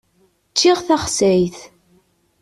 Ččiɣ taxsayt.